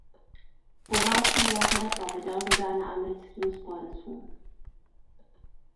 Po válce byla řada plavidel dodána americkým spojencům.